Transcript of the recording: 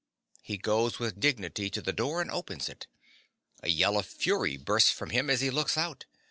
(_He goes with dignity to the door and opens it. A yell of fury bursts from him as he looks out.